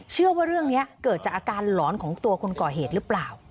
เชื่อว่าเรื่องนี้เกิดจากอาการหลอนของตัวคนก่อเหตุหรือเปล่า